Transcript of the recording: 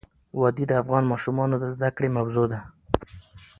وادي د افغان ماشومانو د زده کړې موضوع ده.